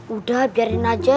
udah biarin aja